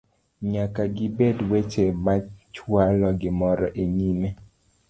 nyaka gibed weche machwalo gimoro e nyime